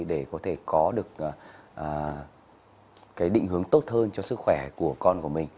để có thể có được cái định hướng tốt hơn cho sức khỏe của con của mình